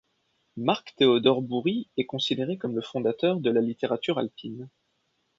Marc-Théodore Bourrit est considéré comme le fondateur de la littérature alpine.